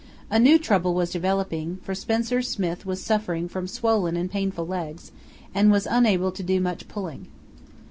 A new trouble was developing, for Spencer Smith was suffering from swollen and painful legs, and was unable to do much pulling.